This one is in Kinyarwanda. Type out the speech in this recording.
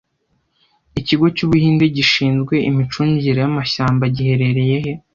Ikigo cy’Ubuhinde gishinzwe imicungire y’amashyamba giherereye he